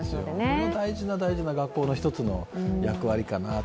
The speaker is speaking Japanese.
それも大事な大事な学校の一つの役割かなと。